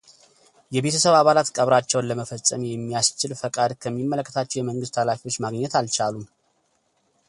የቤተሰብ አባላት ቀብራቸውን ለመፈፀም የሚያስችል ፈቃድ ከሚመለከታቸው የመንግሥት ኃላፊዎች ማግኘት አልቻሉም።